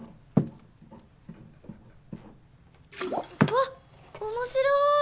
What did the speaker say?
わっ面白い！